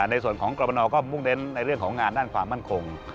ในส่วนของกรมนก็มุ่งเน้นในเรื่องของงานด้านความมั่นคง